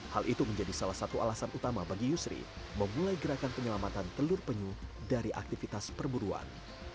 hal itu menjadi salah satu alasan utama bagi yusri memulai gerakan penyelamatan telur penyu dari aktivitas perburuan